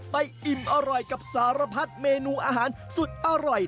อิ่มอร่อยกับสารพัดเมนูอาหารสุดอร่อย